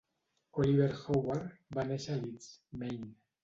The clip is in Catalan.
Oliver Howard va néixer a Leeds, Maine.